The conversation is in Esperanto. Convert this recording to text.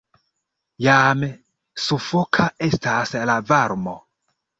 Jam sufoka estas la varmo.